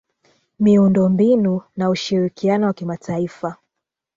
,miundo mbinu na ushirikiano wa kimataifa